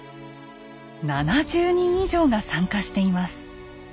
７０人以上が参加しています。